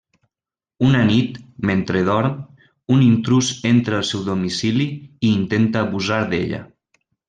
Una nit, mentre dorm, un intrús entra al seu domicili i intenta abusar d'ella.